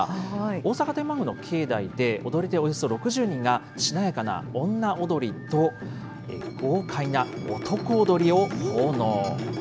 大阪天満宮の境内で、踊り手およそ６０人がしなやかな女踊りと、豪快な男踊りを奉納。